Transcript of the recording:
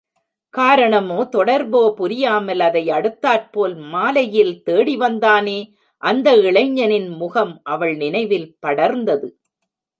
காரணமோ, தொடர்போ புரியாமல், அதை யடுத்தாற்போல மாலையில் தேடிவந்தானே, அந்த இளைஞனின் முகம் அவள் நினைவில் படர்ந்தது.